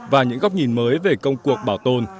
và những góc nhìn mới về công cuộc bảo tồn